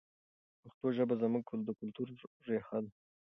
پښتو ژبه زموږ د کلتور ریښه ده.